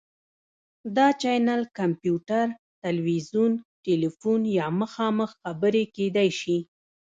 دا چینل کمپیوټر، تلویزیون، تیلیفون یا مخامخ خبرې کیدی شي.